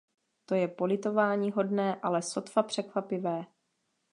To je politováníhodné, ale sotva překvapivé.